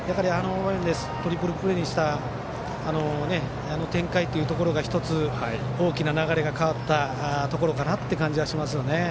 トリプルプレーにした展開というところが１つ大きな流れが変わったところかなという感じがしますね。